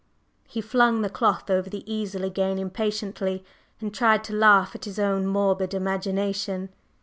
…" He flung the cloth over the easel again impatiently, and tried to laugh at his own morbid imagination.